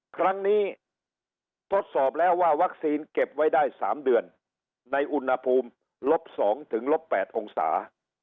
ครั้งนี้ทดสอบแล้วว่าวัคซีนเก็บไว้ได้สามเดือนในอุณหภูมิลบสองถึงลบแปดองศา